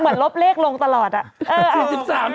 เหมือนลบเลขลงตลอดอะ